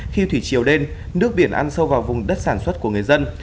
khi thủy chiều đêm nước biển ăn sâu vào vùng đất sản xuất của người dân